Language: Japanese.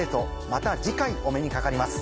また次回お目にかかります。